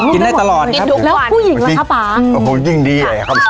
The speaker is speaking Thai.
กินได้ตลอดครับแล้วผู้หญิงล่ะครับป๊าอ๋อยิ่งดีเลยครับ